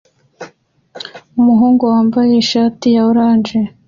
Umuhungu wambaye ishati ya orange